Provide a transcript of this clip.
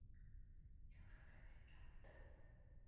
凶手在现场被逮捕。